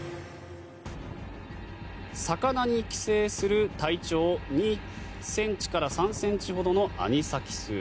魚に寄生する体長２ｃｍから３ｃｍほどのアニサキス。